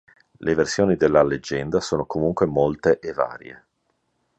Le versioni della leggenda sono comunque molte e varie.